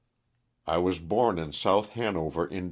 T WAS born in South Hanover, Ind.